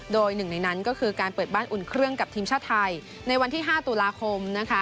โดยหนึ่งในนั้นก็คือการเปิดบ้านอุ่นเครื่องกับทีมชาติไทยในวันที่๕ตุลาคม